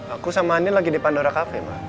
aku sama anin lagi di pandora cafe ma